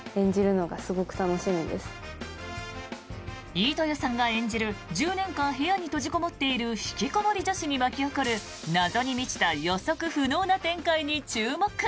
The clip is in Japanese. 飯豊さんが演じる１０年間部屋に閉じこもっている引きこもり女子に巻き起こる謎に満ちた予測不能な展開に注目！